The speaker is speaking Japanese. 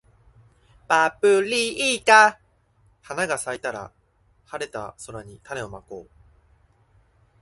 パプリカ花が咲いたら、晴れた空に種をまこう